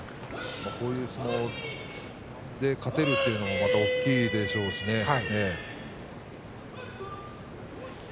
こういう相撲で勝てるというのも大きいでしょうしね。